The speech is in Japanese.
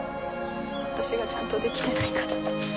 私がちゃんとできてないから。